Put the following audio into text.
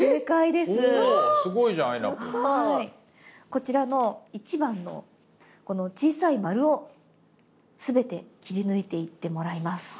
こちらの１番のこの小さい丸をすべて切り抜いていってもらいます。